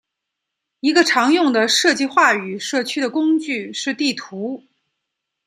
一个常用的设计话语社区的工具是地图。